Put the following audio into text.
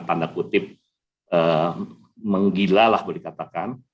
tanda kutip menggilalah boleh dikatakan